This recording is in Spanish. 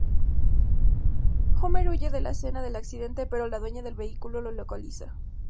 Homer huye de la escena del accidente, pero la dueña del vehículo le localiza.